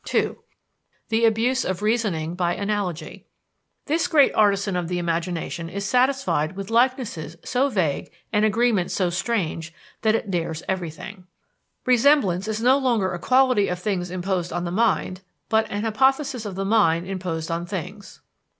(2) The abuse of reasoning by analogy. This great artisan of the imagination is satisfied with likenesses so vague and agreements so strange, that it dares everything. Resemblance is no longer a quality of things imposed on the mind, but an hypothesis of the mind imposed on things.